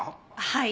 はい。